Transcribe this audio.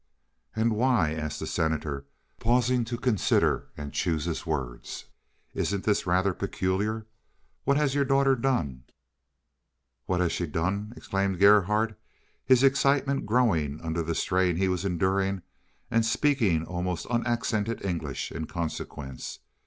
"And why?" asked the Senator, pausing to consider and choose his words. "Isn't this rather peculiar? What has your daughter done?" "What has she done!" exclaimed Gerhardt, his excitement growing under the strain he was enduring, and speaking almost unaccented English in consequence.